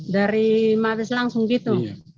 dari mabes langsung gitu